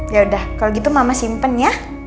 ya udah kalau gitu mama simpen ya